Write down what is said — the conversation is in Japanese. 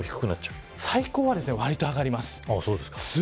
最高は、わりと上がります。